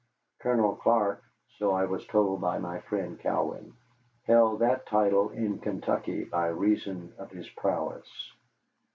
Colonel Clark, so I was told by my friend Cowan, held that title in Kentucky by reason of his prowess.